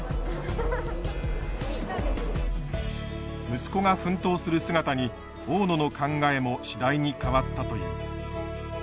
息子が奮闘する姿に大野の考えも次第に変わったという。